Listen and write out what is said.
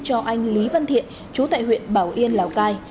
cho anh lý văn thiện chú tại huyện bảo yên lào cai